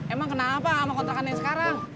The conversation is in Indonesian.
emang kenapa sama kontrakannya sekarang